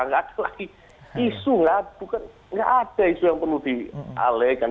nggak ada lagi isu nggak ada isu yang perlu dialihkan